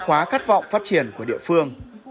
khóa khát vọng phát triển của địa phương